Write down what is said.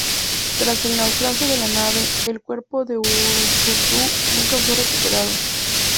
Tras el naufragio de la nave, el cuerpo de Uruchurtu nunca fue recuperado.